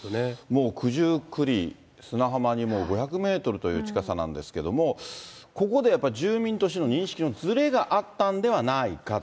もう九十九里、砂浜にもう５００メートルという近さなんですけれども、ここでやっぱり住民と市の認識のずれがあったんではないかと。